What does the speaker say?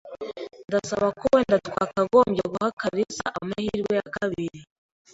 Ndasaba ko wenda twakagombye guha kalisa amahirwe ya kabiri.